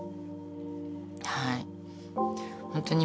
はい。